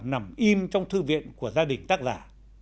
nằm im trong thư viện của gia đình tác giả